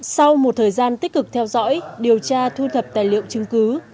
sau một thời gian tích cực theo dõi điều tra thu thập tài liệu chứng cứ